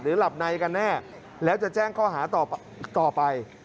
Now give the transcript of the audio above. หลับในกันแน่แล้วจะแจ้งข้อหาต่อไป